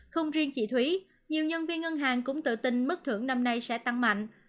không riêng chị thúy nhiều nhân viên ngân hàng cũng tự tin mức thưởng năm nay sẽ tăng mạnh